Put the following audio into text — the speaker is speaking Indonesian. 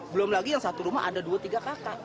belum lagi yang satu rumah ada dua tiga kakak